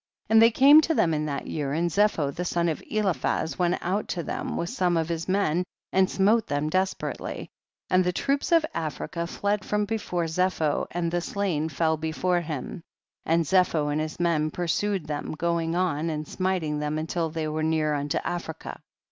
26. And they came to them in that year, and Zepho the son of Eli phaz went out to them with some of liis men and smote them desperately, and the troops of Africa fled from be fore Zepho and the slain fell before him, and Zepho and his men pursued them, going on and smiting them un til they were near unto Africa.